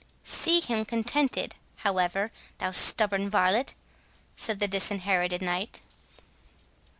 "See him contented, however, thou stubborn varlet," said the Disinherited Knight.